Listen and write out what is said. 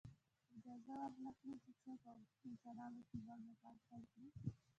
اجازه ورنه کړو چې څوک په انسانانو کې لوړ مقام خپل کړي.